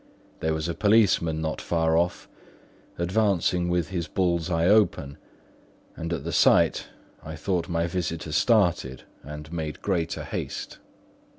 There was a policeman not far off, advancing with his bull's eye open; and at the sight, I thought my visitor started and made greater haste.